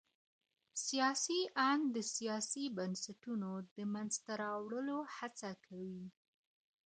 سياسي آند د سياسي بنسټونو د منځته راوړلو هڅه کوي.